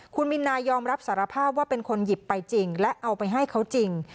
คุณมินนายอมรับสารภาพว่าเป็นคนหยิบไปจริงและเอาไปให้เขาจริง